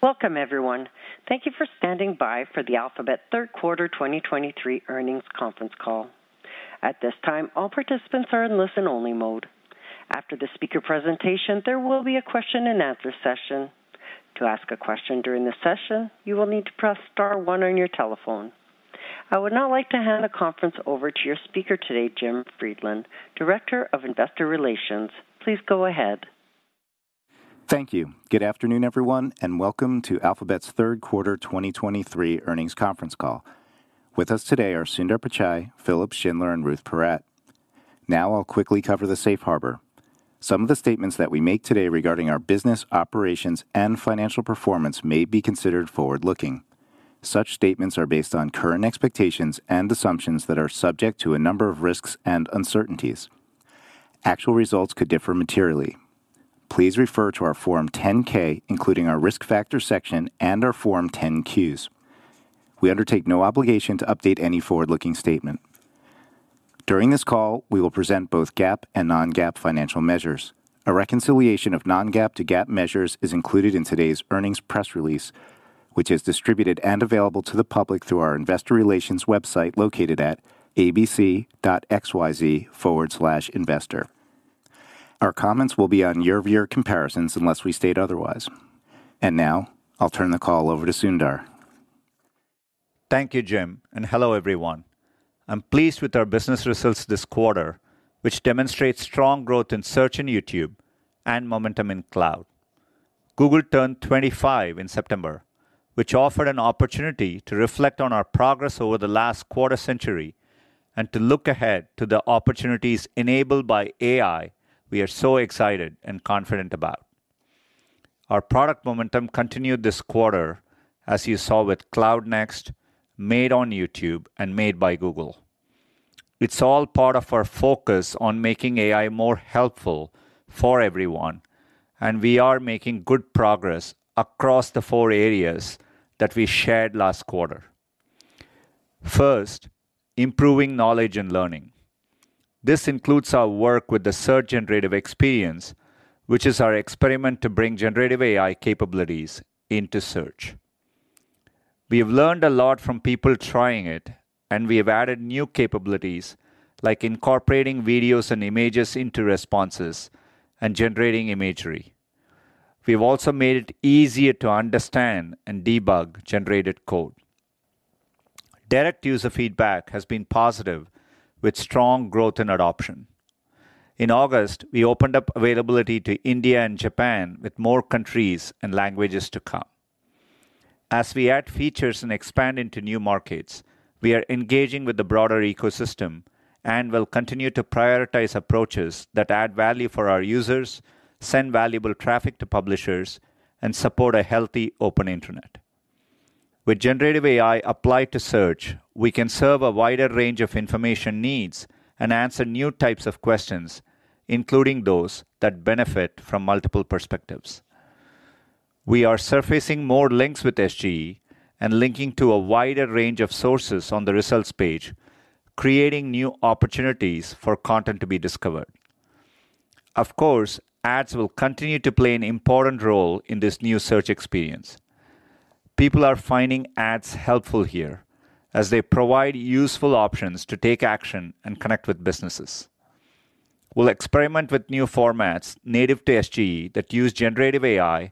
Welcome, everyone. Thank you for standing by for the Alphabet Third Quarter 2023 Earnings Conference Call. At this time, all participants are in listen-only mode. After the speaker presentation, there will be a question-and-answer session. To ask a question during the session, you will need to press star one on your telephone. I would now like to hand the conference over to your speaker today, Jim Friedland, Director of Investor Relations. Please go ahead. Thank you. Good afternoon, everyone, and welcome to Alphabet's Third Quarter 2023 Earnings Conference Call. With us today are Sundar Pichai, Philipp Schindler, and Ruth Porat. Now I'll quickly cover the safe harbor. Some of the statements that we make today regarding our business operations and financial performance may be considered forward-looking. Such statements are based on current expectations and assumptions that are subject to a number of risks and uncertainties. Actual results could differ materially. Please refer to our Form 10-K, including our risk factor section and our Form 10-Qs. We undertake no obligation to update any forward-looking statement. During this call, we will present both GAP and non-GAAP financial measures. A reconciliation of non-GAAP to GAAP measures is included in today's earnings press release, which is distributed and available to the public through our Investor Relations website located at abc.xyz/investor. Our comments will be on year-over-year comparisons unless we state otherwise. And now, I'll turn the call over to Sundar. Thank you, Jim, and hello, everyone. I'm pleased with our business results this quarter, which demonstrate strong growth in Search and YouTube and momentum in Cloud. Google turned 25 in September, which offered an opportunity to reflect on our progress over the last quarter century and to look ahead to the opportunities enabled by AI we are so excited and confident about. Our product momentum continued this quarter, as you saw with Cloud Next, Made on YouTube, and Made by Google. It's all part of our focus on making AI more helpful for everyone, and we are making good progress across the four areas that we shared last quarter. First, improving knowledge and learning. This includes our work with the Search Generative Experience, which is our experiment to bring generative AI capabilities into Search. We have learned a lot from people trying it, and we have added new capabilities like incorporating videos and images into responses and generating imagery. We have also made it easier to understand and debug generated code. Direct user feedback has been positive, with strong growth in adoption. In August, we opened up availability to India and Japan, with more countries and languages to come. As we add features and expand into new markets, we are engaging with the broader ecosystem and will continue to prioritize approaches that add value for our users, send valuable traffic to publishers, and support a healthy open internet. With generative AI applied to search, we can serve a wider range of information needs and answer new types of questions, including those that benefit from multiple perspectives. We are surfacing more links with SGE and linking to a wider range of sources on the results page, creating new opportunities for content to be discovered. Of course, ads will continue to play an important role in this new search experience. People are finding ads helpful here, as they provide useful options to take action and connect with businesses. We'll experiment with new formats native to SGE that use generative AI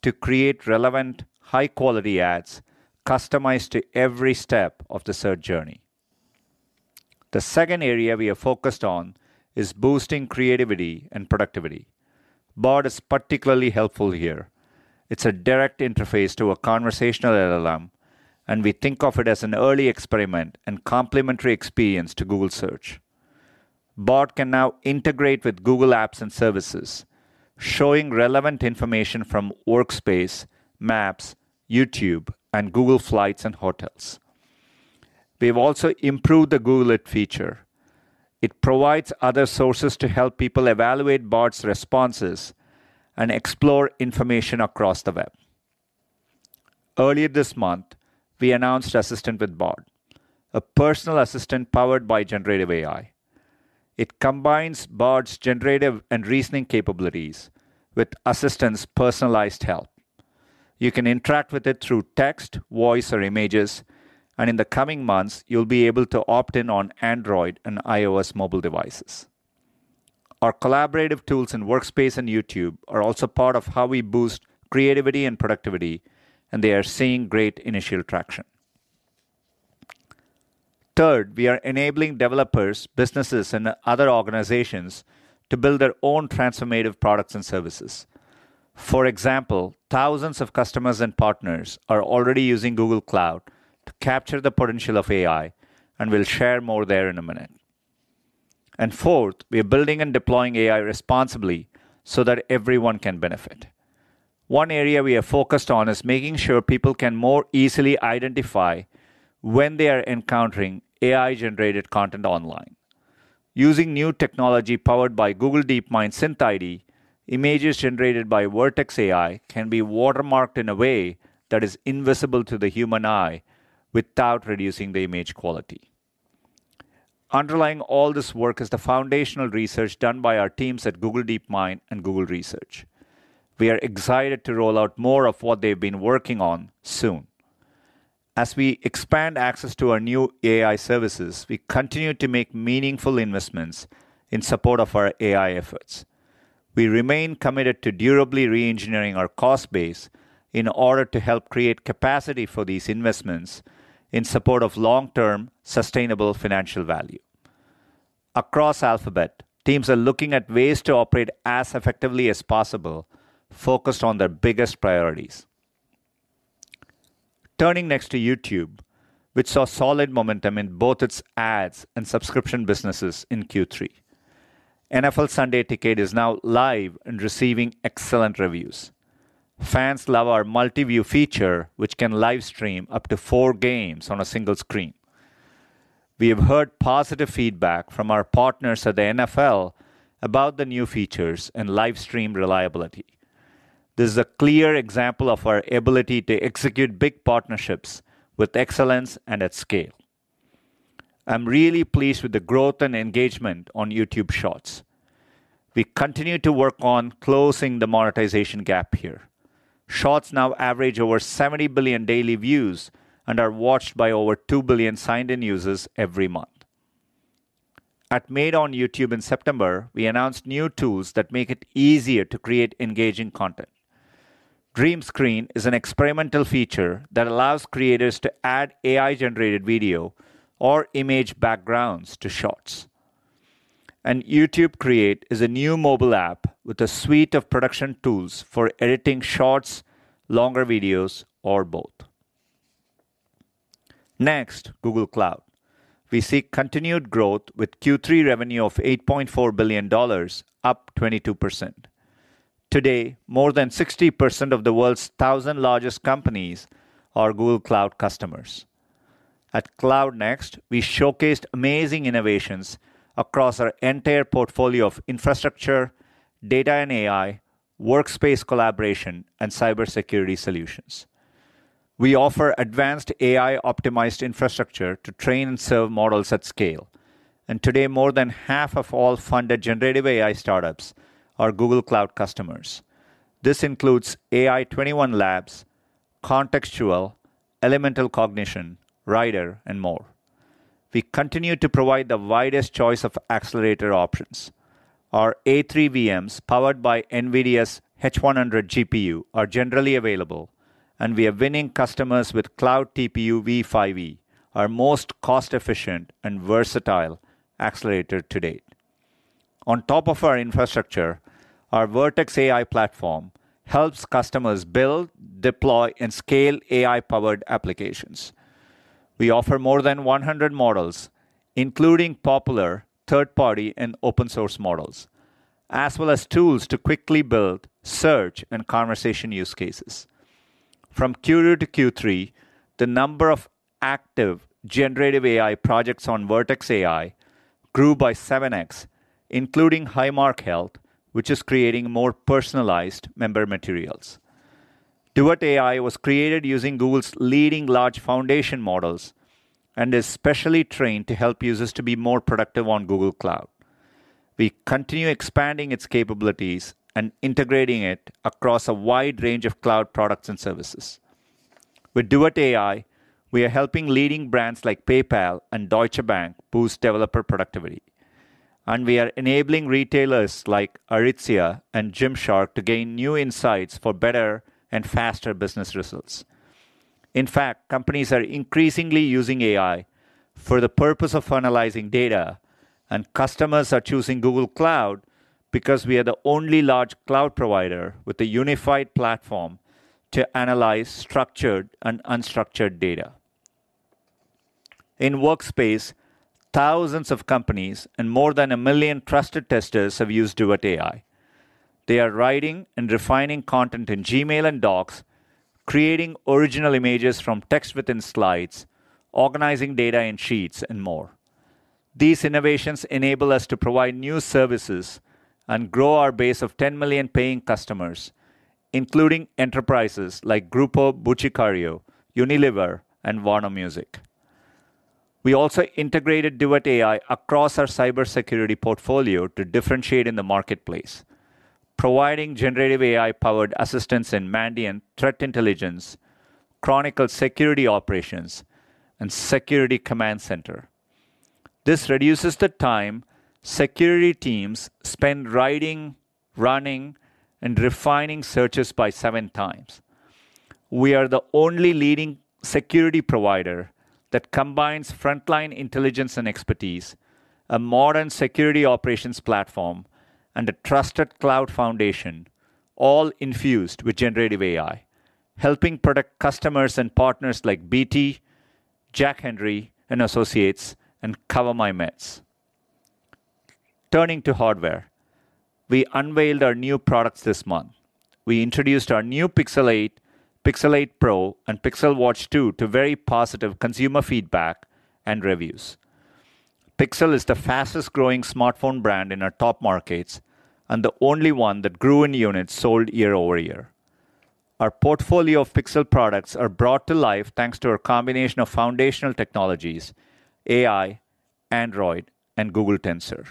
to create relevant, high-quality ads customized to every step of the search journey. The second area we have focused on is boosting creativity and productivity. Bard is particularly helpful here. It's a direct interface to a conversational LLM, and we think of it as an early experiment and complementary experience to Google Search. Bard can now integrate with Google Apps and services, showing relevant information from Workspace, Maps, YouTube, and Google Flights and Hotels. We have also improved the Google It feature. It provides other sources to help people evaluate Bard's responses and explore information across the web. Earlier this month, we announced Assistant with Bard, a personal assistant powered by generative AI. It combines Bard's generative and reasoning capabilities with Assistant's personalized help. You can interact with it through text, voice, or images, and in the coming months, you'll be able to opt in on Android and iOS mobile devices. Our collaborative tools in Workspace and YouTube are also part of how we boost creativity and productivity, and they are seeing great initial traction. Third, we are enabling developers, businesses, and other organizations to build their own transformative products and services. For example, thousands of customers and partners are already using Google Cloud to capture the potential of AI, and we'll share more there in a minute. Fourth, we are building and deploying AI responsibly so that everyone can benefit. One area we have focused on is making sure people can more easily identify when they are encountering AI-generated content online. Using new technology powered by Google DeepMind SynthID, images generated by Vertex AI can be watermarked in a way that is invisible to the human eye without reducing the image quality. Underlying all this work is the foundational research done by our teams at Google DeepMind and Google Research. We are excited to roll out more of what they've been working on soon. As we expand access to our new AI services, we continue to make meaningful investments in support of our AI efforts. We remain committed to durably re-engineering our cost base in order to help create capacity for these investments in support of long-term sustainable financial value. Across Alphabet, teams are looking at ways to operate as effectively as possible, focused on their biggest priorities. Turning next to YouTube, which saw solid momentum in both its ads and subscription businesses in Q3. NFL Sunday Ticket is now live and receiving excellent reviews. Fans love our Multiview feature, which can livestream up to four games on a single screen. We have heard positive feedback from our partners at the NFL about the new features and livestream reliability. This is a clear example of our ability to execute big partnerships with excellence and at scale. I'm really pleased with the growth and engagement on YouTube Shorts. We continue to work on closing the monetization gap here. Shorts now average over 70 billion daily views and are watched by over two billion signed-in users every month. At Made on YouTube in September, we announced new tools that make it easier to create engaging content. Dream Screen is an experimental feature that allows creators to add AI-generated video or image backgrounds to Shorts, and YouTube Create is a new mobile app with a suite of production tools for editing Shorts, longer videos, or both. Next, Google Cloud. We see continued growth with Q3 revenue of $8.4 billion, up 22%. Today, more than 60% of the world's 1,000 largest companies are Google Cloud customers. At Cloud Next, we showcased amazing innovations across our entire portfolio of infrastructure, data and AI, workspace collaboration, and cybersecurity solutions. We offer advanced AI-optimized infrastructure to train and serve models at scale, and today, more than half of all funded generative AI startups are Google Cloud customers. This includes AI21 Labs, Contextual, Elemental Cognition, Writer, and more. We continue to provide the widest choice of accelerator options. Our A3 VMs powered by NVIDIA's H100 GPU are generally available, and we are winning customers with Cloud TPU v5e, our most cost-efficient and versatile accelerator to date. On top of our infrastructure, our Vertex AI platform helps customers build, deploy, and scale AI-powered applications. We offer more than 100 models, including popular third-party and open-source models, as well as tools to quickly build search and conversation use cases. From Q2 to Q3, the number of active generative AI projects on Vertex AI grew by 7x, including Highmark Health, which is creating more personalized member materials. Duet AI was created using Google's leading large foundation models and is specially trained to help users to be more productive on Google Cloud. We continue expanding its capabilities and integrating it across a wide range of cloud products and services. With Duet AI, we are helping leading brands like PayPal and Deutsche Bank boost developer productivity. And we are enabling retailers like Aritzia and Gymshark to gain new insights for better and faster business results. In fact, companies are increasingly using AI for the purpose of analyzing data, and customers are choosing Google Cloud because we are the only large cloud provider with a unified platform to analyze structured and unstructured data. In Workspace, thousands of companies and more than 1 million trusted testers have used Duet AI. They are writing and refining content in Gmail and Docs, creating original images from text within slides, organizing data in Sheets, and more. These innovations enable us to provide new services and grow our base of 10 million paying customers, including enterprises like Grupo Boticário, Unilever, and Warner Music. We also integrated Duet AI across our cybersecurity portfolio to differentiate in the marketplace, providing generative AI-powered assistance in Mandiant Threat Intelligence, Chronicle Security Operations, and Security Command Center. This reduces the time security teams spend writing, running, and refining searches by seven times. We are the only leading security provider that combines frontline intelligence and expertise, a modern security operations platform, and a trusted cloud foundation, all infused with generative AI, helping protect customers and partners like BT, Jack Henry and Associates, and CoverMyMeds. Turning to hardware, we unveiled our new products this month. We introduced our new Pixel 8, Pixel 8 Pro, and Pixel Watch 2 to very positive consumer feedback and reviews. Pixel is the fastest-growing smartphone brand in our top markets and the only one that grew in units sold year-over-year. Our portfolio of Pixel products is brought to life thanks to a combination of foundational technologies, AI, Android, and Google Tensor.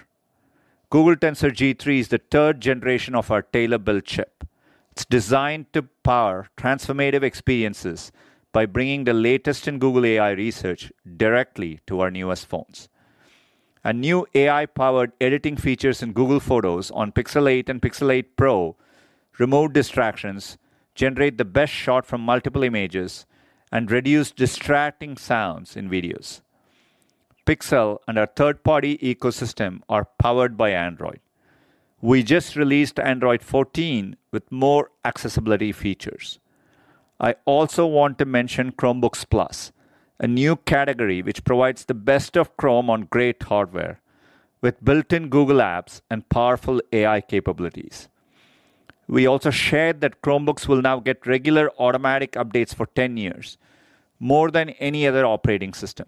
Google Tensor G3 is the third generation of our tailor-built chip. It's designed to power transformative experiences by bringing the latest in Google AI research directly to our newest phones. A new AI-powered editing feature in Google Photos on Pixel 8 and Pixel 8 Pro removes distractions, generates the best shot from multiple images, and reduces distracting sounds in videos. Pixel and our third-party ecosystem are powered by Android. We just released Android 14 with more accessibility features. I also want to mention Chromebooks Plus, a new category which provides the best of Chrome on great hardware with built-in Google apps and powerful AI capabilities. We also shared that Chromebooks will now get regular automatic updates for 10 years, more than any other operating system.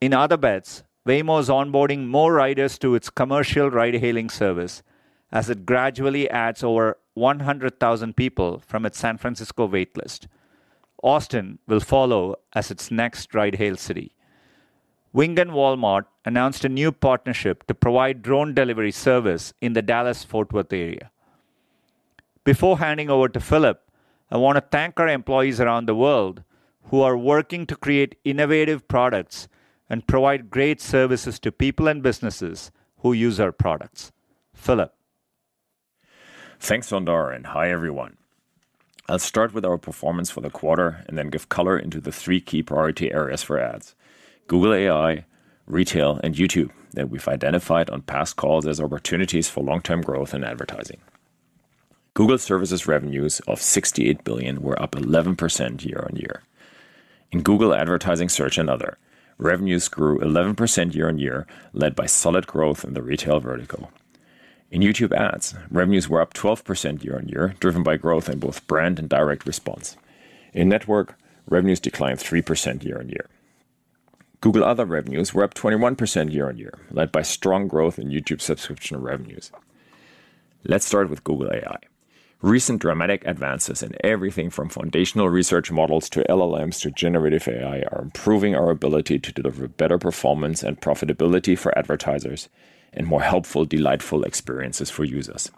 In other bets, Waymo is onboarding more riders to its commercial ride-hailing service as it gradually adds over 100,000 people from its San Francisco waitlist. Austin will follow as its next ride-hail city. Wing and Walmart announced a new partnership to provide drone delivery service in the Dallas-Fort Worth area. Before handing over to Philipp, I want to thank our employees around the world who are working to create innovative products and provide great services to people and businesses who use our products. Philipp. Thanks, Sundar. And hi, everyone. I'll start with our performance for the quarter and then give color into the three key priority areas for ads: Google AI, retail, and YouTube that we've identified on past calls as opportunities for long-term growth in advertising. Google Services revenues of $68 billion were up 11% year-on-year. In Google Advertising, Search, and other, revenues grew 11% year-on-year, led by solid growth in the retail vertical. In YouTube Ads, revenues were up 12% year-on-year, driven by growth in both brand and direct response. In Network, revenues declined 3% year-on-year. Google Other revenues were up 21% year-on-year, led by strong growth in YouTube subscription revenues. Let's start with Google AI. Recent dramatic advances in everything from foundational research models to LLMs to generative AI are improving our ability to deliver better performance and profitability for advertisers and more helpful, delightful experiences for users.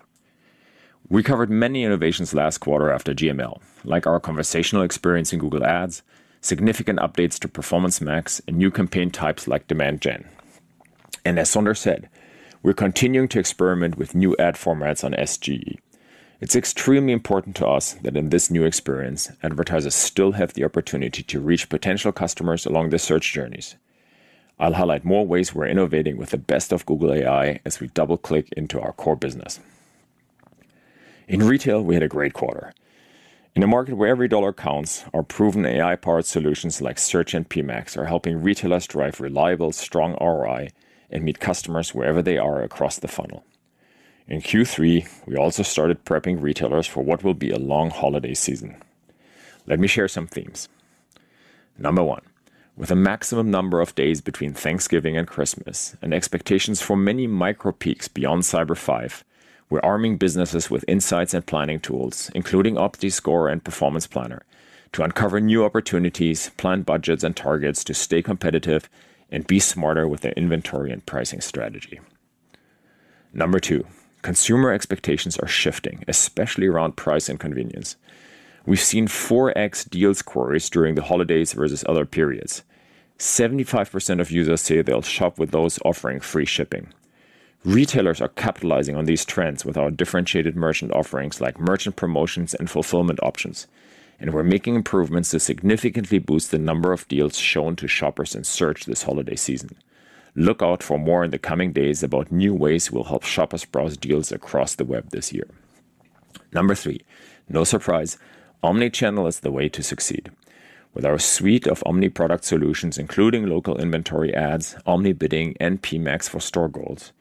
We covered many innovations last quarter after GML, like our conversational experience in Google Ads, significant updates to Performance Max, and new campaign types like Demand Gen. And as Sundar said, we're continuing to experiment with new ad formats on SGE. It's extremely important to us that in this new experience, advertisers still have the opportunity to reach potential customers along their search journeys. I'll highlight more ways we're innovating with the best of Google AI as we double-click into our core business. In retail, we had a great quarter. In a market where every dollar counts, our proven AI-powered solutions like Search and PMax are helping retailers drive reliable, strong ROI and meet customers wherever they are across the funnel. In Q3, we also started prepping retailers for what will be a long holiday season. Let me share some themes. Number one, with a maximum number of days between Thanksgiving and Christmas and expectations for many micro-peaks beyond Cyber Five, we're arming businesses with insights and planning tools, including OptiScore and Performance Planner, to uncover new opportunities, plan budgets, and targets to stay competitive and be smarter with their inventory and pricing strategy. Number two, consumer expectations are shifting, especially around price and convenience. We've seen 4X deals queries during the holidays versus other periods. 75% of users say they'll shop with those offering free shipping. Retailers are capitalizing on these trends with our differentiated merchant offerings like merchant promotions and fulfillment options, and we're making improvements to significantly boost the number of deals shown to shoppers in Search this holiday season. Look out for more in the coming days about new ways we'll help shoppers browse deals across the web this year. Number three, no surprise, omnichannel is the way to succeed. With our suite of omni-product solutions, including local inventory ads, omni-bidding, and PMax for store goals,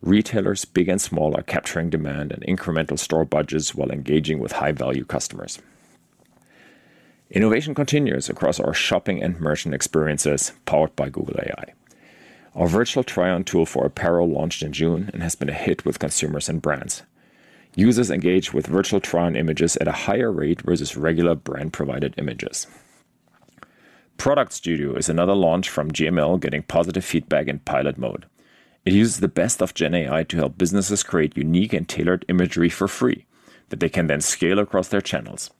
retailers, big and small, are capturing demand and incremental store budgets while engaging with high-value customers. Innovation continues across our shopping and merchant experiences powered by Google AI. Our virtual try-on tool for apparel launched in June and has been a hit with consumers and brands. Users engage with virtual try-on images at a higher rate versus regular brand-provided images. Product Studio is another launch from GML getting positive feedback in pilot mode. It uses the best of Gen AI to help businesses create unique and tailored imagery for free that they can then scale across their channels.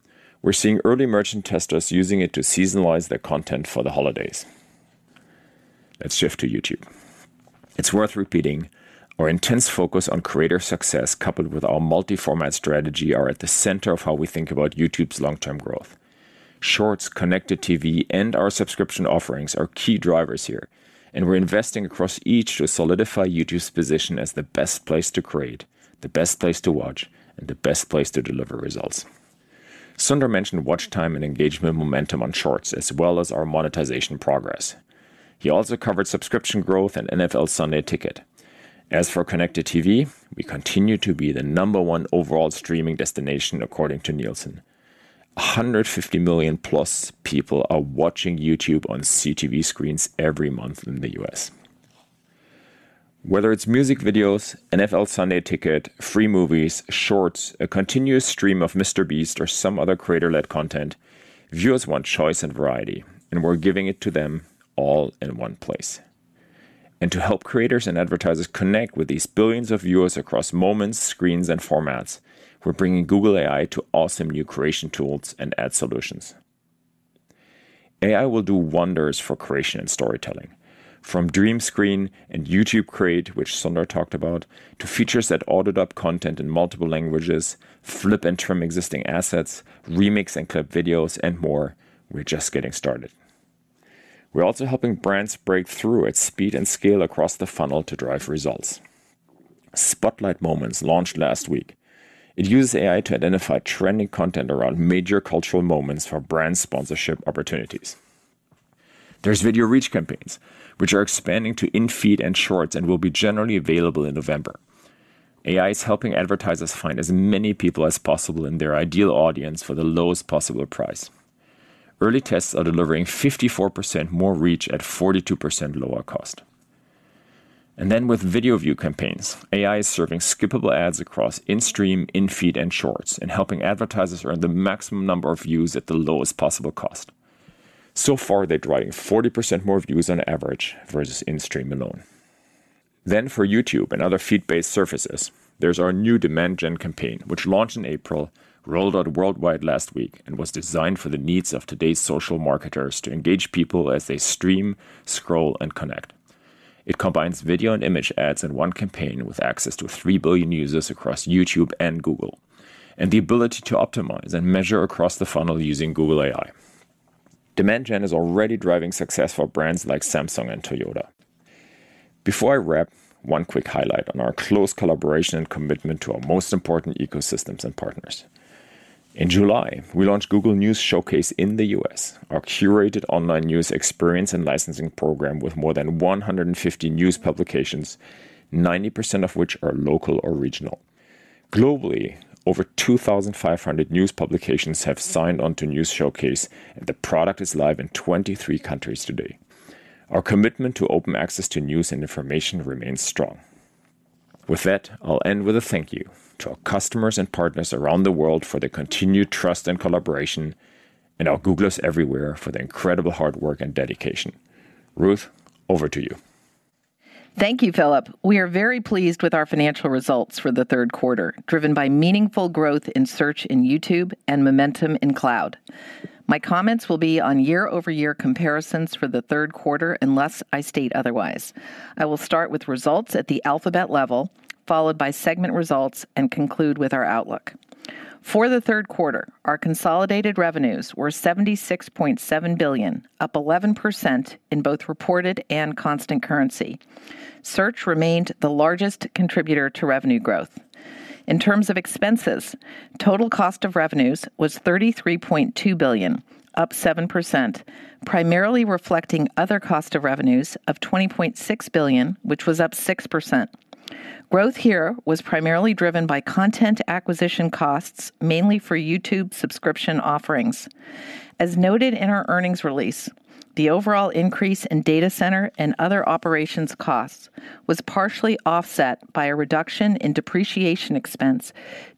We're seeing early merchant testers using it to seasonalize their content for the holidays. Let's shift to YouTube. It's worth repeating, our intense focus on creator success coupled with our multi-format strategy are at the center of how we think about YouTube's long-term growth. Shorts, Connected TV, and our subscription offerings are key drivers here, and we're investing across each to solidify YouTube's position as the best place to create, the best place to watch, and the best place to deliver results. Sundar mentioned watch time and engagement momentum on Shorts, as well as our monetization progress. He also covered subscription growth and NFL Sunday Ticket. As for Connected TV, we continue to be the number one overall streaming destination, according to Nielsen. 150 million plus people are watching YouTube on CTV screens every month in the U.S. Whether it's music videos, NFL Sunday Ticket, free movies, Shorts, a continuous stream of MrBeast, or some other creator-led content, viewers want choice and variety. We're giving it to them all in one place. To help creators and advertisers connect with these billions of viewers across moments, screens, and formats, we're bringing Google AI to awesome new creation tools and ad solutions. AI will do wonders for creation and storytelling. From Dream Screen and YouTube Create, which Sundar talked about, to features that auto-adopt content in multiple languages, flip and trim existing assets, remix and clip videos, and more, we're just getting started. We're also helping brands break through at speed and scale across the funnel to drive results. Spotlight Moments launched last week. It uses AI to identify trending content around major cultural moments for brand sponsorship opportunities. There's Video reach campaigns, which are expanding to In-feed and Shorts and will be generally available in November. AI is helping advertisers find as many people as possible in their ideal audience for the lowest possible price. Early tests are delivering 54% more reach at 42% lower cost. And then with Video view campaigns, AI is serving skippable ads across In-stream, In-feed, and Shorts and helping advertisers earn the maximum number of views at the lowest possible cost. So far, they're driving 40% more views on average versus In-stream alone. Then for YouTube and other feed-based services, there's our new Demand Gen campaign, which launched in April, rolled out worldwide last week, and was designed for the needs of today's social marketers to engage people as they stream, scroll, and connect. It combines video and image ads in one campaign with access to 3 billion users across YouTube and Google, and the ability to optimize and measure across the funnel using Google AI. Demand Gen is already driving success for brands like Samsung and Toyota. Before I wrap, one quick highlight on our close collaboration and commitment to our most important ecosystems and partners. In July, we launched Google News Showcase in the U.S., our curated online news experience and licensing program with more than 150 news publications, 90% of which are local or regional. Globally, over 2,500 news publications have signed on to News Showcase, and the product is live in 23 countries today. Our commitment to open access to news and information remains strong. With that, I'll end with a thank you to our customers and partners around the world for their continued trust and collaboration, and our Googlers everywhere for their incredible hard work and dedication. Ruth, over to you. Thank you, Philipp. We are very pleased with our financial results for the third quarter, driven by meaningful growth in Search in YouTube and momentum in Cloud. My comments will be on year-over-year comparisons for the third quarter, unless I state otherwise. I will start with results at the Alphabet level, followed by segment results, and conclude with our outlook. For the third quarter, our consolidated revenues were $76.7 billion, up 11% in both reported and constant currency. Search remained the largest contributor to revenue growth. In terms of expenses, total cost of revenues was $33.2 billion, up 7%, primarily reflecting other cost of revenues of $20.6 billion, which was up 6%. Growth here was primarily driven by content acquisition costs, mainly for YouTube subscription offerings. As noted in our earnings release, the overall increase in data center and other operations costs was partially offset by a reduction in depreciation expense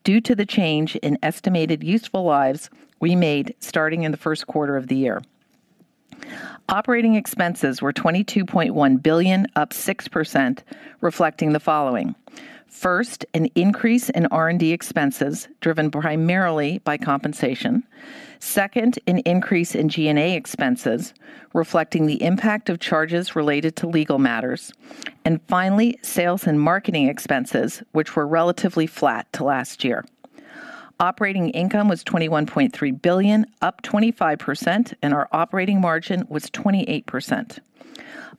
due to the change in estimated useful lives we made starting in the first quarter of the year. Operating expenses were $22.1 billion, up 6%, reflecting the following: first, an increase in R&D expenses driven primarily by compensation. Second, an increase in G&A expenses reflecting the impact of charges related to legal matters. And finally, sales and marketing expenses, which were relatively flat to last year. Operating income was $21.3 billion, up 25%, and our operating margin was 28%.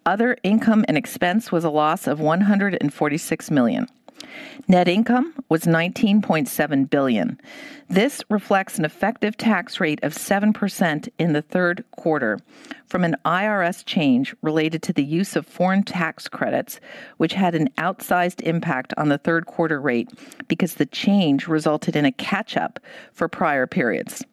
Other income and expense was a loss of $146 million. Net income was $19.7 billion. This reflects an effective tax rate of 7% in the third quarter from an IRS change related to the use of foreign tax credits, which had an outsized impact on the third quarter rate because the change resulted in a catch-up for prior periods.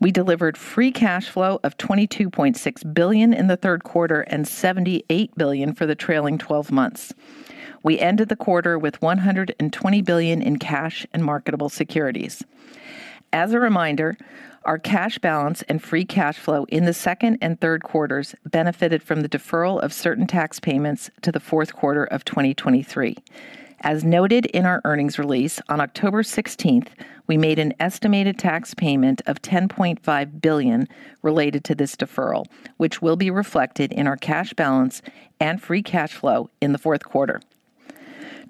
We delivered free cash flow of $22.6 billion in the third quarter and $78 billion for the trailing 12 months. We ended the quarter with $120 billion in cash and marketable securities. As a reminder, our cash balance and free cash flow in the second and third quarters benefited from the deferral of certain tax payments to the fourth quarter of 2023. As noted in our earnings release, on October 16, we made an estimated tax payment of $10.5 billion related to this deferral, which will be reflected in our cash balance and free cash flow in the fourth quarter.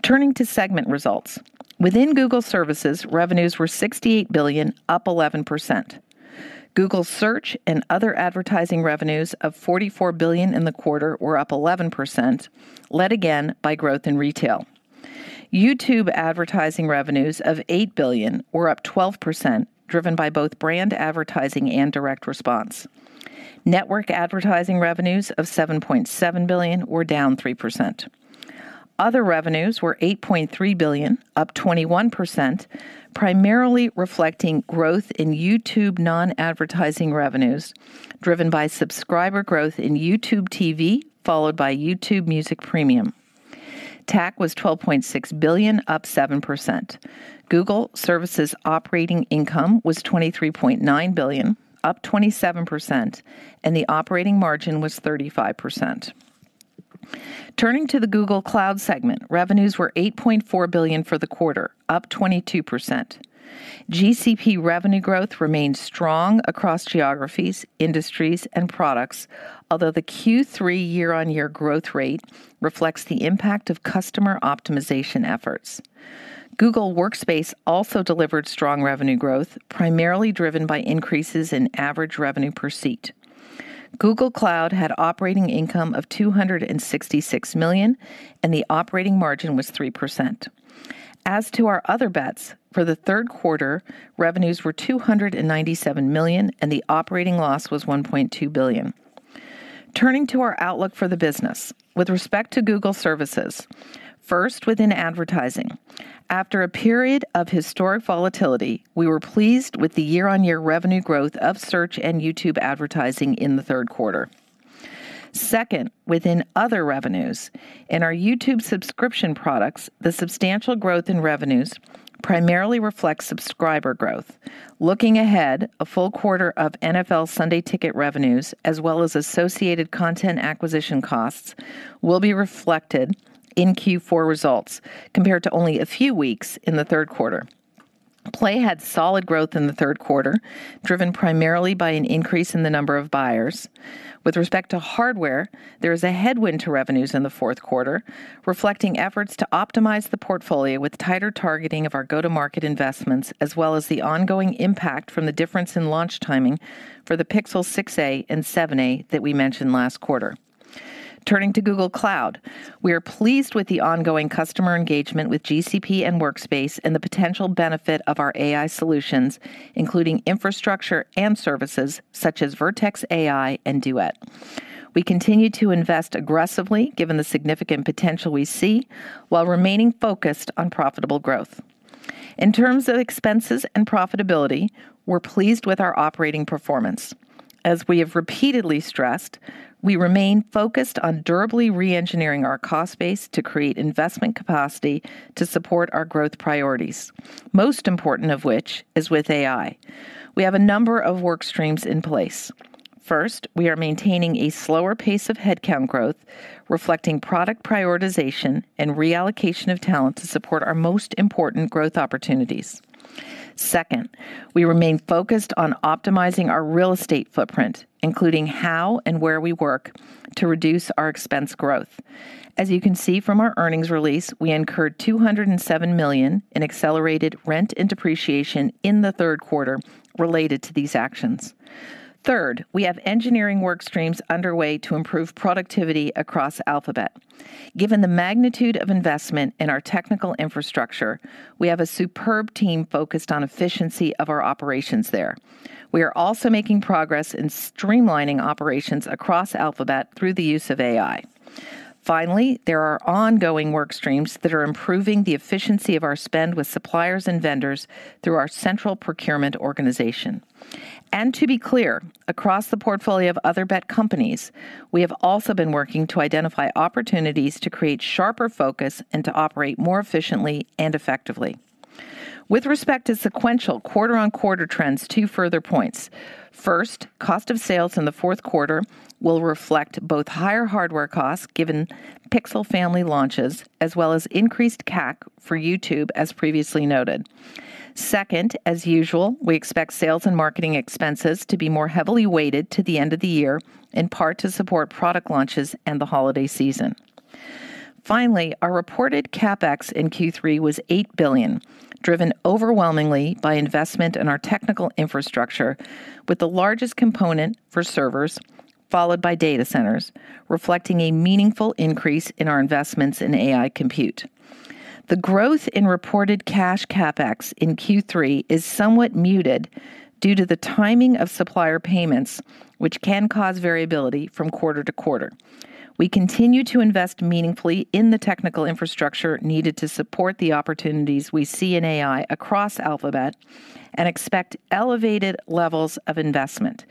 Turning to segment results, within Google Services, revenues were $68 billion, up 11%. Google Search and other advertising revenues of $44 billion in the quarter were up 11%, led again by growth in retail. YouTube advertising revenues of $8 billion were up 12%, driven by both brand advertising and direct response. Network advertising revenues of $7.7 billion were down 3%. Other revenues were $8.3 billion, up 21%, primarily reflecting growth in YouTube non-advertising revenues driven by subscriber growth in YouTube TV, followed by YouTube Music Premium. TAC was $12.6 billion, up 7%. Google Services operating income was $23.9 billion, up 27%, and the operating margin was 35%. Turning to the Google Cloud segment, revenues were $8.4 billion for the quarter, up 22%. GCP revenue growth remained strong across geographies, industries, and products, although the Q3 year-on-year growth rate reflects the impact of customer optimization efforts. Google Workspace also delivered strong revenue growth, primarily driven by increases in average revenue per seat. Google Cloud had operating income of $266 million, and the operating margin was 3%. As to our other bets, for the third quarter, revenues were $297 million, and the operating loss was $1.2 billion. Turning to our outlook for the business, with respect to Google Services, first within advertising. After a period of historic volatility, we were pleased with the year-on-year revenue growth of Search and YouTube advertising in the third quarter. Second, within other revenues, in our YouTube subscription products, the substantial growth in revenues primarily reflects subscriber growth. Looking ahead, a full quarter of NFL Sunday Ticket revenues, as well as associated content acquisition costs, will be reflected in Q4 results compared to only a few weeks in the third quarter. Play had solid growth in the third quarter, driven primarily by an increase in the number of buyers. With respect to hardware, there is a headwind to revenues in the fourth quarter, reflecting efforts to optimize the portfolio with tighter targeting of our go-to-market investments, as well as the ongoing impact from the difference in launch timing for the Pixel 6a and 7a that we mentioned last quarter. Turning to Google Cloud, we are pleased with the ongoing customer engagement with GCP and Workspace and the potential benefit of our AI solutions, including infrastructure and services such as Vertex AI and Duet. We continue to invest aggressively given the significant potential we see while remaining focused on profitable growth. In terms of expenses and profitability, we're pleased with our operating performance. As we have repeatedly stressed, we remain focused on durably re-engineering our cost base to create investment capacity to support our growth priorities, most important of which is with AI. We have a number of work streams in place. First, we are maintaining a slower pace of headcount growth, reflecting product prioritization and reallocation of talent to support our most important growth opportunities. Second, we remain focused on optimizing our real estate footprint, including how and where we work, to reduce our expense growth. As you can see from our earnings release, we incurred $207 million in accelerated rent and depreciation in the third quarter related to these actions. Third, we have engineering work streams underway to improve productivity across Alphabet. Given the magnitude of investment in our technical infrastructure, we have a superb team focused on efficiency of our operations there. We are also making progress in streamlining operations across Alphabet through the use of AI. Finally, there are ongoing work streams that are improving the efficiency of our spend with suppliers and vendors through our central procurement organization. And to be clear, across the portfolio of Other Bets companies, we have also been working to identify opportunities to create sharper focus and to operate more efficiently and effectively. With respect to sequential quarter-on-quarter trends, two further points. First, cost of sales in the fourth quarter will reflect both higher hardware costs given Pixel family launches, as well as increased CAC for YouTube, as previously noted. Second, as usual, we expect sales and marketing expenses to be more heavily weighted to the end of the year, in part to support product launches and the holiday season. Finally, our reported CapEx in Q3 was $8 billion, driven overwhelmingly by investment in our technical infrastructure, with the largest component for servers, followed by data centers, reflecting a meaningful increase in our investments in AI compute. The growth in reported cash CapEx in Q3 is somewhat muted due to the timing of supplier payments, which can cause variability from quarter to quarter. We continue to invest meaningfully in the technical infrastructure needed to support the opportunities we see in AI across Alphabet and expect elevated levels of investment,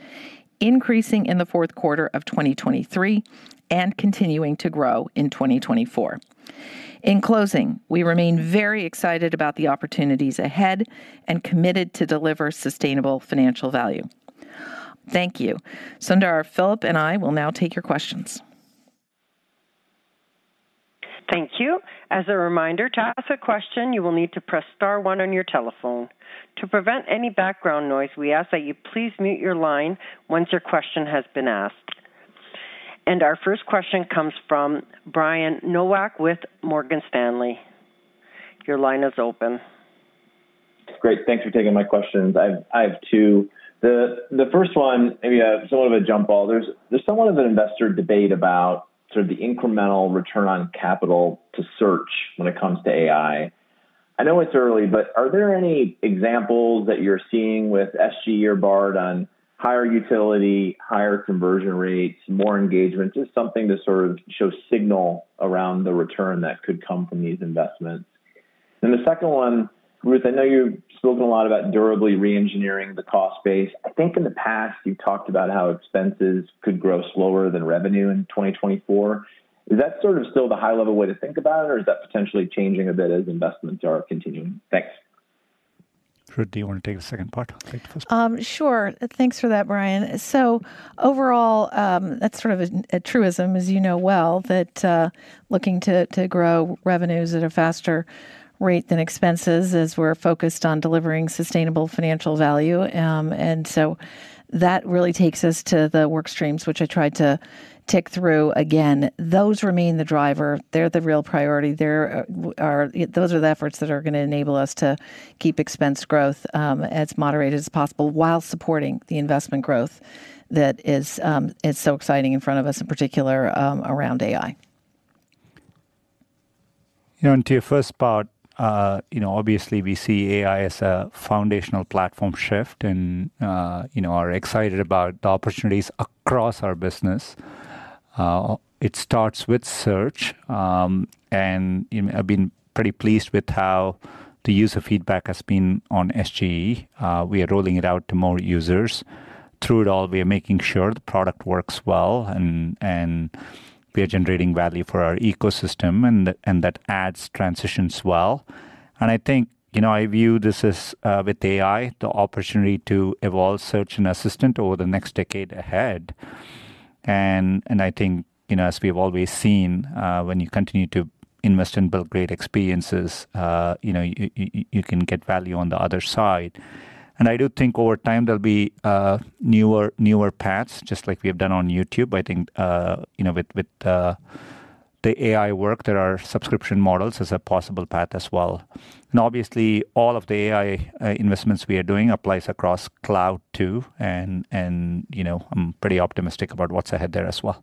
increasing in the fourth quarter of 2023 and continuing to grow in 2024. In closing, we remain very excited about the opportunities ahead and committed to deliver sustainable financial value. Thank you. Sundar, Philipp, and I will now take your questions. Thank you. As a reminder, to ask a question, you will need to press star one on your telephone. To prevent any background noise, we ask that you please mute your line once your question has been asked. And our first question comes from Brian Nowak with Morgan Stanley. Your line is open. Great. Thanks for taking my questions. I have two. The first one, maybe somewhat of a jump ball, there's somewhat of an investor debate about sort of the incremental return on capital to Search when it comes to AI. I know it's early, but are there any examples that you're seeing with SGE or Bard on higher utility, higher conversion rates, more engagement, just something to sort of show signal around the return that could come from these investments? And the second one, Ruth, I know you've spoken a lot about durably re-engineering the cost base. I think in the past, you've talked about how expenses could grow slower than revenue in 2024. Is that sort of still the high-level way to think about it, or is that potentially changing a bit as investments are continuing? Thanks. Ruth, do you want to take the second part? Sure. Thanks for that, Brian. So overall, that's sort of a truism, as you know well, that looking to grow revenues at a faster rate than expenses as we're focused on delivering sustainable financial value, and so that really takes us to the work streams, which I tried to tick through again. Those remain the driver. They're the real priority. Those are the efforts that are going to enable us to keep expense growth as moderated as possible while supporting the investment growth that is so exciting in front of us, in particular around AI. To your first part, obviously, we see AI as a foundational platform shift, and we are excited about the opportunities across our business. It starts with Search, and I've been pretty pleased with how the use of feedback has been on SGE. We are rolling it out to more users. Through it all, we are making sure the product works well, and we are generating value for our ecosystem, and that adds transitions well. And I think I view this as, with AI, the opportunity to evolve Search and Assistant over the next decade ahead. And I think, as we've always seen, when you continue to invest and build great experiences, you can get value on the other side. And I do think over time, there'll be newer paths, just like we have done on YouTube. I think with the AI work, there are subscription models as a possible path as well, and obviously, all of the AI investments we are doing apply across cloud too, and I'm pretty optimistic about what's ahead there as well.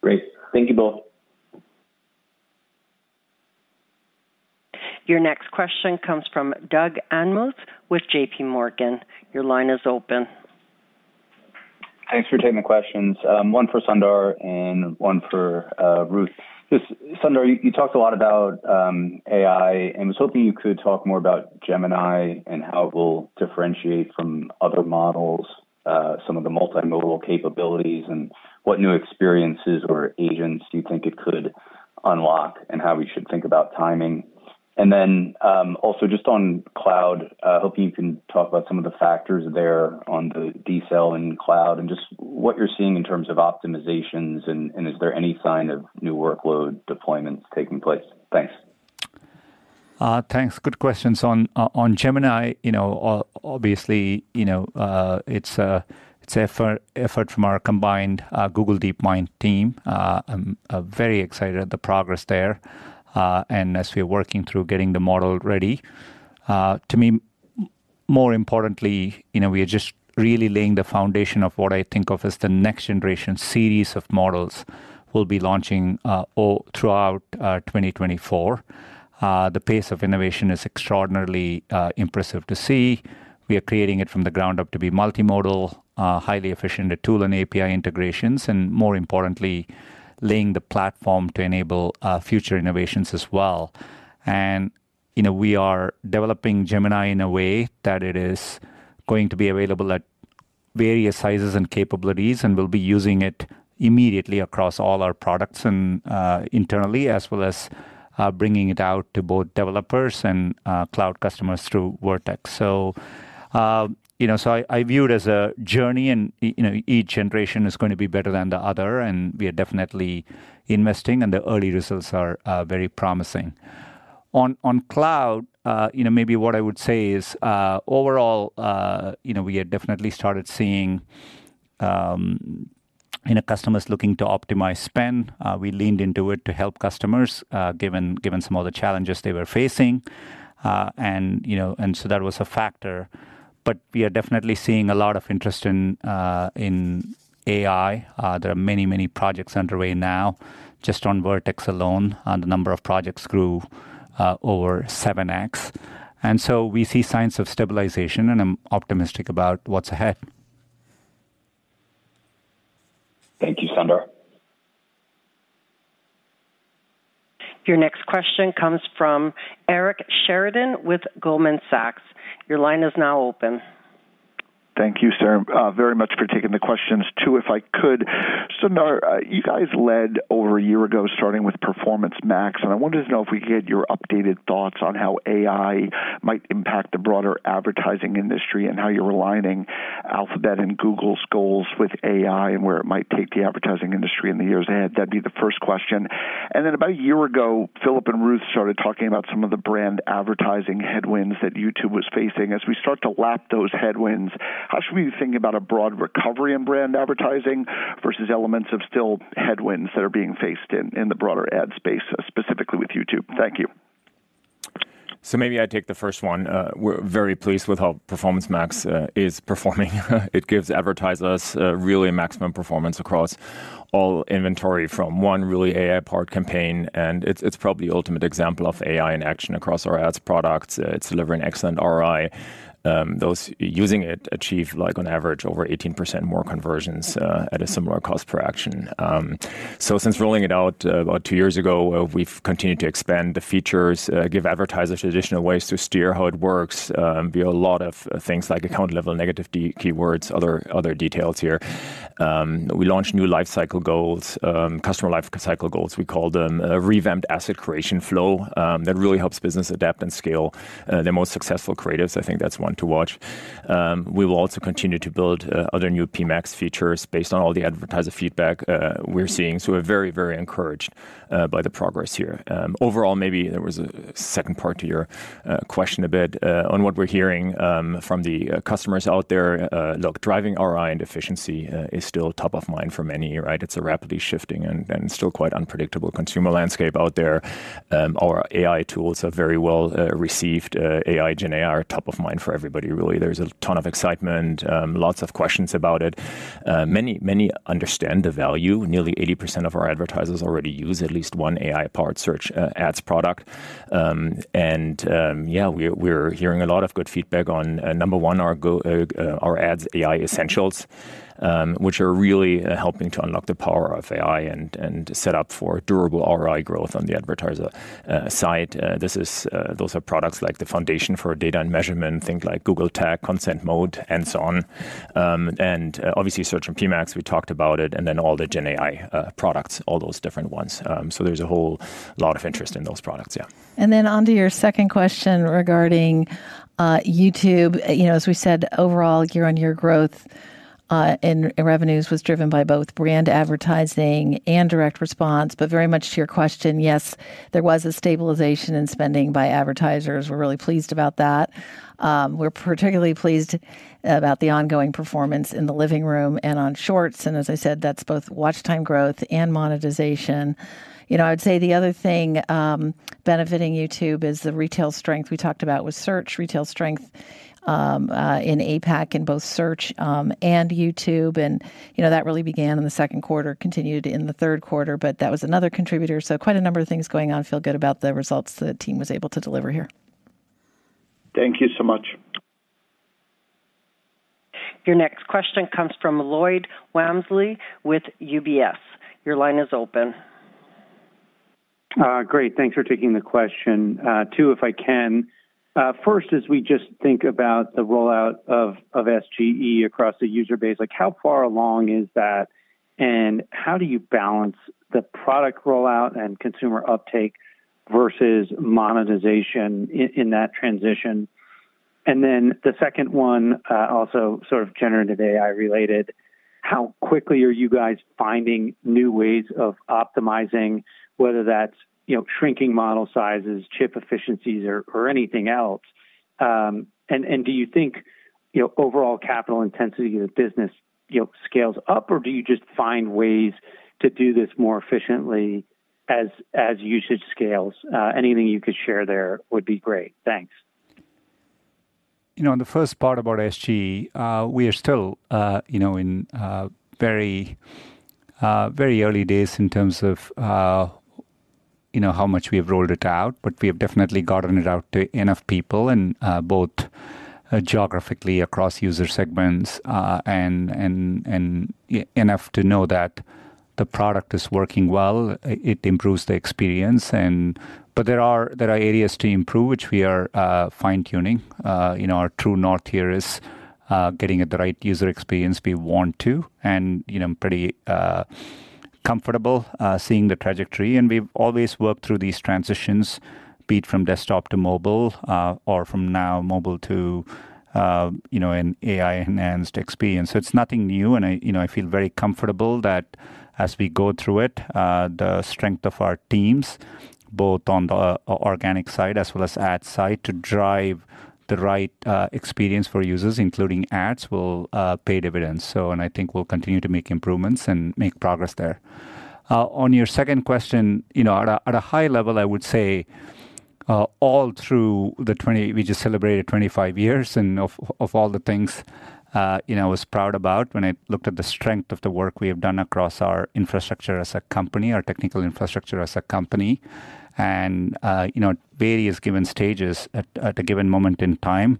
Great. Thank you both. Your next question comes from Doug Anmuth with JPMorgan. Your line is open. Thanks for taking the questions. One for Sundar and one for Ruth. Sundar, you talked a lot about AI, and I was hoping you could talk more about Gemini and how it will differentiate from other models, some of the multimodal capabilities, and what new experiences or agents you think it could unlock, and how we should think about timing. And then also, just on cloud, I hope you can talk about some of the factors there on the DSL and cloud, and just what you're seeing in terms of optimizations, and is there any sign of new workload deployments taking place? Thanks. Thanks. Good questions. On Gemini, obviously, it's an effort from our combined Google DeepMind team. I'm very excited at the progress there, and as we're working through getting the model ready. To me, more importantly, we are just really laying the foundation of what I think of as the next generation series of models we'll be launching throughout 2024. The pace of innovation is extraordinarily impressive to see. We are creating it from the ground up to be multimodal, highly efficient at tool and API integrations, and more importantly, laying the platform to enable future innovations as well. We are developing Gemini in a way that it is going to be available at various sizes and capabilities, and we'll be using it immediately across all our products internally, as well as bringing it out to both developers and cloud customers through Vertex. I view it as a journey, and each generation is going to be better than the other, and we are definitely investing, and the early results are very promising. On cloud, maybe what I would say is, overall, we had definitely started seeing customers looking to optimize spend. We leaned into it to help customers, given some of the challenges they were facing, and so that was a factor. We are definitely seeing a lot of interest in AI. There are many, many projects underway now. Just on Vertex alone, the number of projects grew over 7X. And so we see signs of stabilization, and I'm optimistic about what's ahead. Thank you, Sundar. Your next question comes from Eric Sheridan with Goldman Sachs. Your line is now open. Thank you, sir, very much for taking the questions. Too, if I could, Sundar, you guys led over a year ago, starting with Performance Max. And I wanted to know if we could get your updated thoughts on how AI might impact the broader advertising industry and how you're aligning Alphabet and Google's goals with AI and where it might take the advertising industry in the years ahead. That'd be the first question. And then about a year ago, Philipp and Ruth started talking about some of the brand advertising headwinds that YouTube was facing. As we start to lap those headwinds, how should we be thinking about a broad recovery in brand advertising versus elements of still headwinds that are being faced in the broader ad space, specifically with YouTube? Thank you. So maybe I take the first one. We're very pleased with how Performance Max is performing. It gives advertisers really maximum performance across all inventory from one really AI-powered campaign. And it's probably the ultimate example of AI in action across our ads products. It's delivering excellent ROI. Those using it achieve, on average, over 18% more conversions at a similar cost per action. So since rolling it out about two years ago, we've continued to expand the features, give advertisers additional ways to steer how it works via a lot of things like account-level negative keywords, other details here. We launched new lifecycle goals, customer lifecycle goals, we call them, a revamped asset creation flow that really helps business adapt and scale their most successful creatives. I think that's one to watch. We will also continue to build other new PMax features based on all the advertiser feedback we're seeing. So we're very, very encouraged by the progress here. Overall, maybe there was a second part to your question a bit on what we're hearing from the customers out there. Look, driving ROI and efficiency is still top of mind for many, right? It's a rapidly shifting and still quite unpredictable consumer landscape out there. Our AI tools are very well received. AI Gen AI are top of mind for everybody, really. There's a ton of excitement, lots of questions about it. Many understand the value. Nearly 80% of our advertisers already use at least one AI-powered Search ads product. Yeah, we're hearing a lot of good feedback on, number one, our ads AI essentials, which are really helping to unlock the power of AI and set up for durable ROI growth on the advertiser side. Those are products like the foundation for data and measurement, things like Google Tag, Consent Mode, and so on. Obviously, Search and PMax, we talked about it, and then all the Gen AI products, all those different ones. So there's a whole lot of interest in those products, yeah. Then on to your second question regarding YouTube, as we said, overall year-on-year growth in revenues was driven by both brand advertising and direct response. But very much to your question, yes, there was a stabilization in spending by advertisers. We're really pleased about that. We're particularly pleased about the ongoing performance in the living room and on Shorts. And as I said, that's both watch time growth and monetization. I would say the other thing benefiting YouTube is the retail strength. We talked about with Search, retail strength in APAC in both Search and YouTube. And that really began in the second quarter, continued in the third quarter, but that was another contributor. So quite a number of things going on. Feel good about the results the team was able to deliver here. Thank you so much. Your next question comes from Lloyd Walmsley with UBS. Your line is open. Great. Thanks for taking the question. Two, if I can, first, as we just think about the rollout of SGE across the user base, how far along is that, and how do you balance the product rollout and consumer uptake versus monetization in that transition? And then the second one, also sort of generative AI related, how quickly are you guys finding new ways of optimizing, whether that's shrinking model sizes, chip efficiencies, or anything else? And do you think overall capital intensity of the business scales up, or do you just find ways to do this more efficiently as usage scales? Anything you could share there would be great. Thanks. On the first part about SGE, we are still in very early days in terms of how much we have rolled it out, but we have definitely gotten it out to enough people, both geographically across user segments and enough to know that the product is working well. It improves the experience. But there are areas to improve, which we are fine-tuning. Our true North here is getting at the right user experience we want to, and I'm pretty comfortable seeing the trajectory. And we've always worked through these transitions, be it from desktop to mobile or from now mobile to an AI-enhanced experience. So it's nothing new, and I feel very comfortable that as we go through it, the strength of our teams, both on the organic side as well as ad side, to drive the right experience for users, including ads, will pay dividends. And I think we'll continue to make improvements and make progress there. On your second question, at a high level, I would say all through the 20, we just celebrated 25 years, and of all the things I was proud about, when I looked at the strength of the work we have done across our infrastructure as a company, our technical infrastructure as a company, and various given stages at a given moment in time.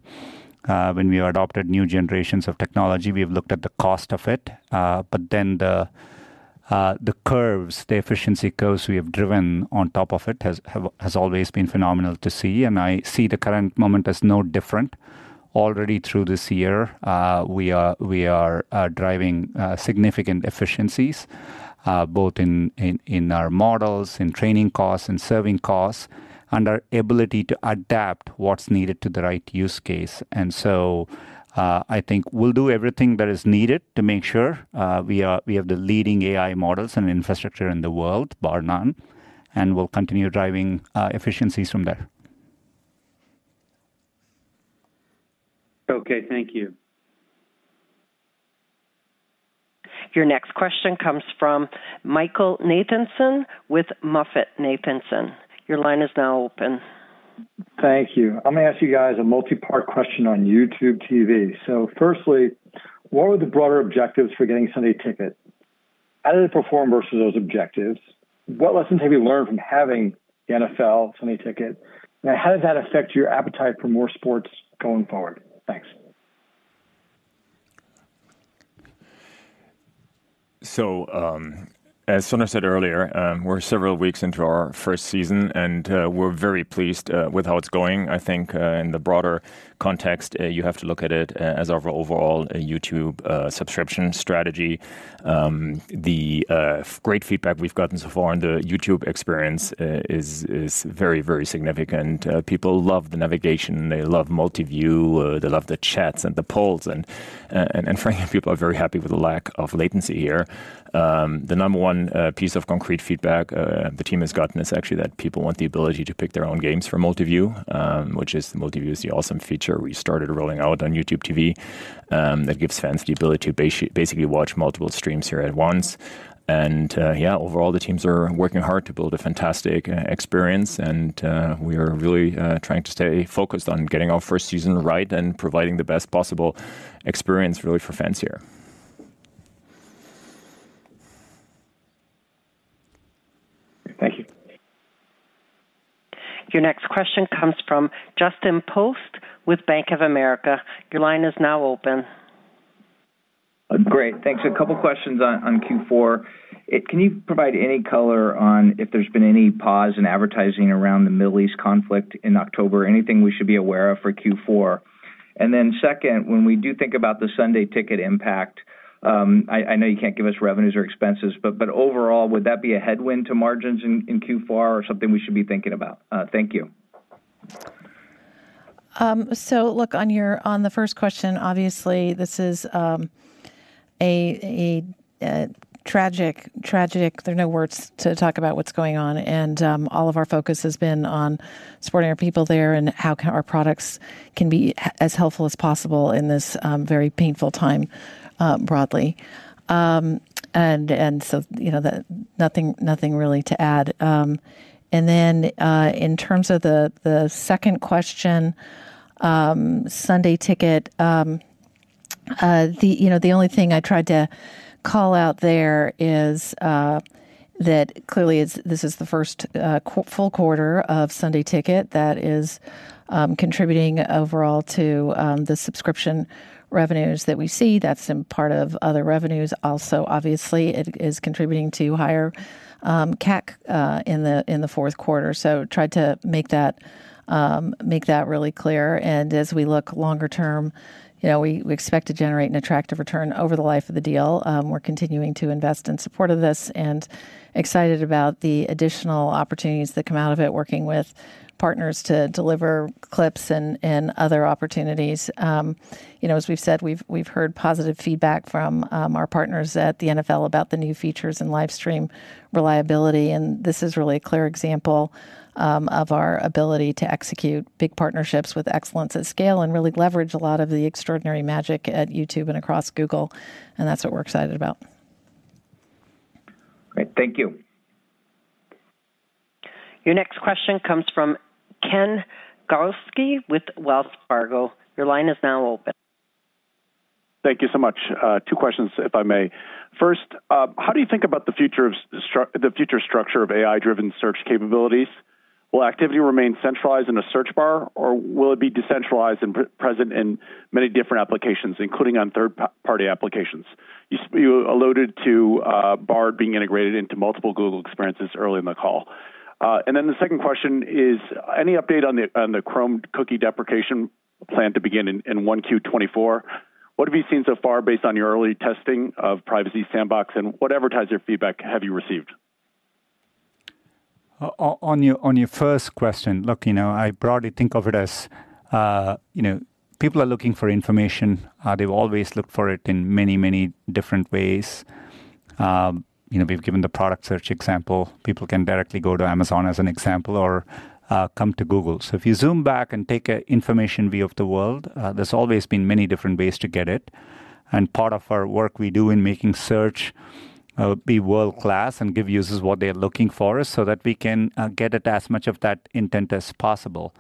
When we adopted new generations of technology, we have looked at the cost of it. But then the curves, the efficiency curves we have driven on top of it have always been phenomenal to see. And I see the current moment as no different. Already through this year, we are driving significant efficiencies, both in our models, in training costs, and serving costs, and our ability to adapt what's needed to the right use case. And so I think we'll do everything that is needed to make sure we have the leading AI models and infrastructure in the world bar none, and we'll continue driving efficiencies from there. Okay, thank you. Your next question comes from Michael Nathanson with MoffettNathanson. Your line is now open. Thank you. I'm going to ask you guys a multi-part question on YouTube TV. So firstly, what were the broader objectives for getting Sunday Ticket? How did it perform versus those objectives? What lessons have you learned from having the NFL Sunday Ticket? And how did that affect your appetite for more sports going forward? Thanks. So as Sundar said earlier, we're several weeks into our first season, and we're very pleased with how it's going. I think in the broader context, you have to look at it as our overall YouTube subscription strategy. The great feedback we've gotten so far on the YouTube experience is very, very significant. People love the navigation. They love multiview. They love the chats and the polls. And frankly, people are very happy with the lack of latency here. The number one piece of concrete feedback the team has gotten is actually that people want the ability to pick their own games from multiview, which is multiview, the awesome feature we started rolling out on YouTube TV that gives fans the ability to basically watch multiple streams here at once. And yeah, overall, the teams are working hard to build a fantastic experience. And we are really trying to stay focused on getting our first season right and providing the best possible experience really for fans here. Thank you. Your next question comes from Justin Post with Bank of America. Your line is now open. Great. Thanks. A couple of questions on Q4. Can you provide any color on if there's been any pause in advertising around the Middle East conflict in October? Anything we should be aware of for Q4? And then second, when we do think about the Sunday Ticket impact, I know you can't give us revenues or expenses, but overall, would that be a headwind to margins in Q4 or something we should be thinking about? Thank you. Look, on the first question, obviously, this is a tragic, tragic, there are no words to talk about what's going on. And all of our focus has been on supporting our people there and how our products can be as helpful as possible in this very painful time broadly. And so nothing really to add. Then, in terms of the second question, Sunday Ticket, the only thing I tried to call out there is that clearly this is the first full quarter of Sunday Ticket that is contributing overall to the subscription revenues that we see. That's part of other revenues. Also, obviously, it is contributing to higher CAC in the fourth quarter. So, I tried to make that really clear. And as we look longer term, we expect to generate an attractive return over the life of the deal. We're continuing to invest in support of this and excited about the additional opportunities that come out of it, working with partners to deliver clips and other opportunities. As we've said, we've heard positive feedback from our partners at the NFL about the new features and live stream reliability. This is really a clear example of our ability to execute big partnerships with excellence at scale and really leverage a lot of the extraordinary magic at YouTube and across Google. That's what we're excited about. Great. Thank you. Your next question comes from Ken Gawrelski with Wells Fargo. Your line is now open. Thank you so much. Two questions, if I may. First, how do you think about the future structure of AI-driven search capabilities? Will activity remain centralized in a search bar, or will it be decentralized and present in many different applications, including on third-party applications? You alluded to Bard being integrated into multiple Google experiences early in the call. Then the second question is, any update on the Chrome cookie deprecation planned to begin in 1Q24? What have you seen so far based on your early testing of Privacy Sandbox and what advertiser feedback have you received? On your first question, look, I broadly think of it as people are looking for information. They've always looked for it in many, many different ways. We've given the product search example. People can directly go to Amazon as an example or come to Google. So if you zoom back and take an information view of the world, there's always been many different ways to get it. And part of our work we do in making search be world-class and give users what they're looking for so that we can get at as much of that intent as possible.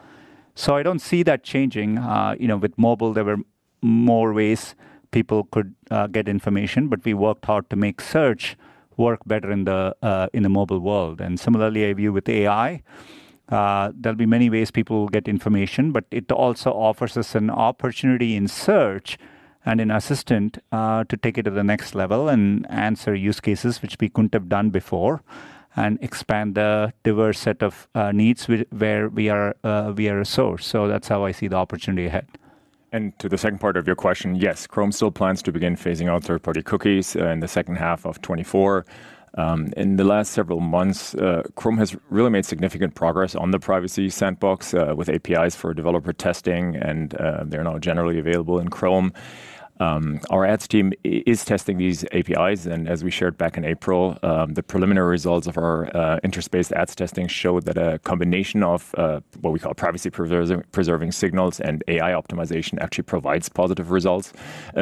So I don't see that changing. With mobile, there were more ways people could get information, but we worked hard to make search work better in the mobile world. And similarly, I view with AI, there'll be many ways people will get information, but it also offers us an opportunity in search and in assistant to take it to the next level and answer use cases which we couldn't have done before and expand the diverse set of needs where we are a source. So that's how I see the opportunity ahead. And to the second part of your question, yes, Chrome still plans to begin phasing out third-party cookies in the second half of 2024. In the last several months, Chrome has really made significant progress on the Privacy Sandbox with APIs for developer testing, and they're now generally available in Chrome. Our ads team is testing these APIs. And as we shared back in April, the preliminary results of our interest-based ads testing showed that a combination of what we call privacy-preserving signals and AI optimization actually provides positive results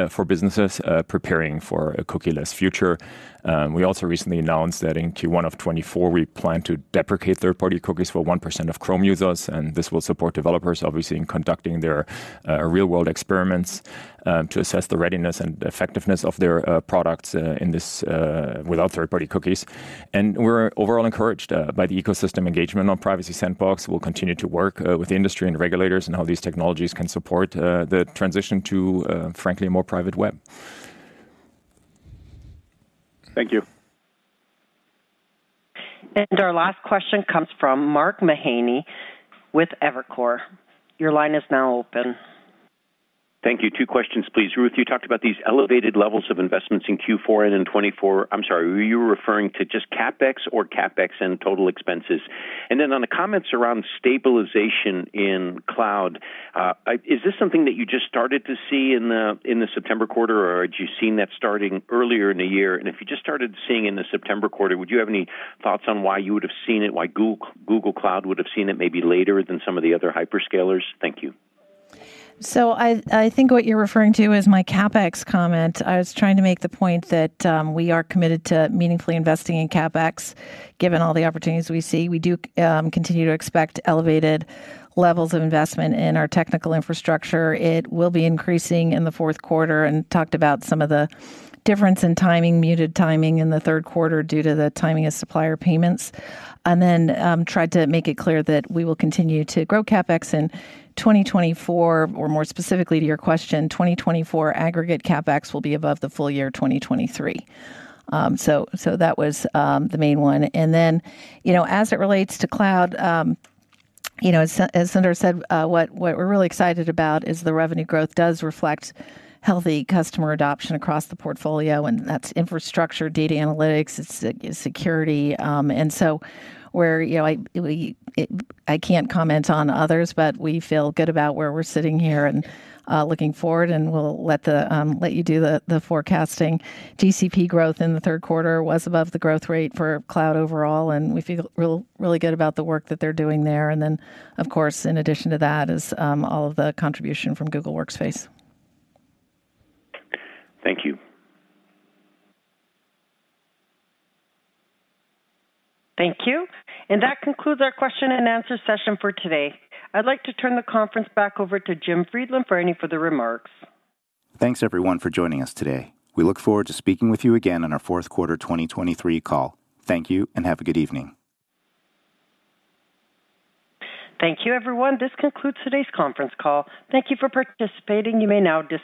for businesses preparing for a cookieless future. We also recently announced that in Q1 of 2024, we plan to deprecate third-party cookies for 1% of Chrome users. And this will support developers, obviously, in conducting their real-world experiments to assess the readiness and effectiveness of their products without third-party cookies. And we're overall encouraged by the ecosystem engagement on Privacy Sandbox. We'll continue to work with industry and regulators and how these technologies can support the transition to, frankly, a more private web. Thank you. And our last question comes from Mark Mahaney with Evercore. Your line is now open. Thank you. Two questions, please. Ruth, you talked about these elevated levels of investments in Q4 and in 2024. I'm sorry, were you referring to just CapEx or CapEx and total expenses? And then on the comments around stabilization in cloud, is this something that you just started to see in the September quarter, or had you seen that starting earlier in the year? And if you just started seeing in the September quarter, would you have any thoughts on why you would have seen it, why Google Cloud would have seen it maybe later than some of the other hyperscalers? Thank you. So I think what you're referring to is my CapEx comment. I was trying to make the point that we are committed to meaningfully investing in CapEx, given all the opportunities we see. We do continue to expect elevated levels of investment in our technical infrastructure. It will be increasing in the fourth quarter and talked about some of the difference in timing, muted timing in the third quarter due to the timing of supplier payments, and then tried to make it clear that we will continue to grow CapEx in 2024, or more specifically to your question, 2024 aggregate CapEx will be above the full year 2023, so that was the main one, and then as it relates to cloud, as Sundar said, what we're really excited about is the revenue growth does reflect healthy customer adoption across the portfolio, and that's infrastructure, data analytics, security, and so I can't comment on others, but we feel good about where we're sitting here and looking forward, and we'll let you do the forecasting. GCP growth in the third quarter was above the growth rate for cloud overall, and we feel really good about the work that they're doing there. And then, of course, in addition to that is all of the contribution from Google Workspace. Thank you. Thank you. And that concludes our question and answer session for today. I'd like to turn the conference back over to Jim Friedland for any further remarks. Thanks, everyone, for joining us today. We look forward to speaking with you again on our fourth quarter 2023 call. Thank you and have a good evening. Thank you, everyone. This concludes today's conference call. Thank you for participating. You may now disconnect.